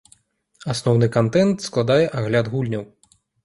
Асноўны кантэнт складае агляд гульняў.